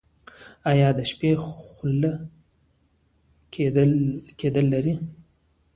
ایا د شپې خوله کیدل لرئ؟